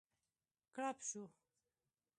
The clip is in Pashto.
کړپ شو.